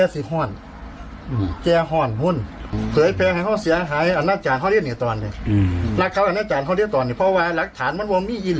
สักนี่พูดในคำถามอาธิบายนะครับอันอธิบายนะครับ